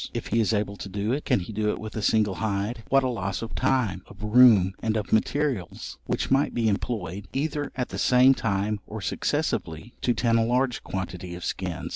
If he is able to do it, can he do it with a single hide? What a loss of time, of room, and of materials, which might be employed, either at the same time or successively, to tan a large quantity of skins!